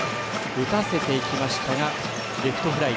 打たせていきましたがレフトフライ。